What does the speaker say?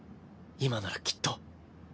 今ならきっと。